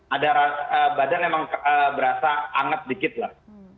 ada badan memang berasa anget dikit lah